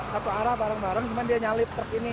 satu arah bareng bareng cuman dia nyalip truk ini